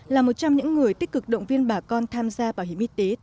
là một trong những người tích cực động viên bà con tham gia bảo hiểm y tế tại nhà phòng